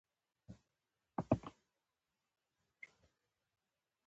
د کوره بې کوره شوے دے او ملک نه شړلے شوے دے